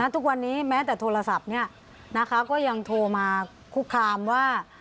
ทุกวันนี้แม้แต่โทรศัพท์ก็ยังโทรมาคุกคามว่า